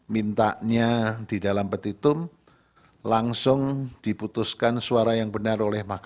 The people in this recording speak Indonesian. mintanya di dalam petitum langsung diputuskan suara yang benar oleh mahkamah